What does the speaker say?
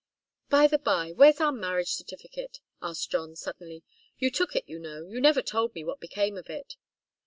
"By the bye, where's our marriage certificate?" asked John, suddenly. "You took it, you know. You never told me what became of it."